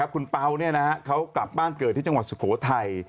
คุณเป๋าเขากลับบ้านเกิดที่จังหวัดสุโขทัย